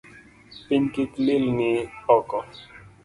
Piny kik lilni oko